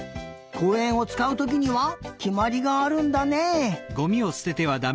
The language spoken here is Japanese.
こうえんをつかうときにはきまりがあるんだね。